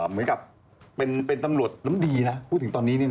เหมือนกับเป็นตำรวจน้ำดีนะพูดถึงตอนนี้